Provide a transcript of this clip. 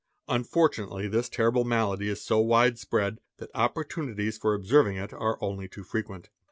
Un fortunately this terrible malady is so wide spread that opportunities for observing it are only too frequent.